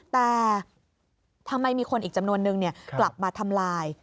แต่ทำไมมีคนอีกจำนวนนึงกลับมาทำลาย